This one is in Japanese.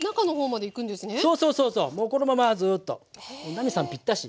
奈実さんぴったし。